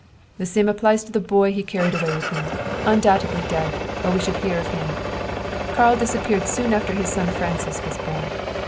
"The same applies to the boy he carried away with him undoubtedly dead or we should hear of him. Karl disappeared soon after his son Francis was born.